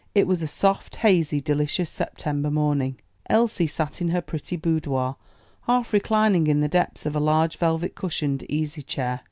It was a soft, hazy, delicious September morning; Elsie sat in her pretty boudoir, half reclining in the depths of a large velvet cushioned easy chair.